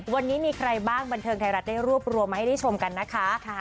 วันนี้มีใครบ้างบันเทิงไทยรัฐได้รวบรวมมาให้ได้ชมกันนะคะ